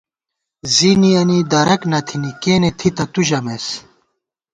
زنِیَنی درَک نہ تھنی کېنے تھِتہ تُو ژَمېس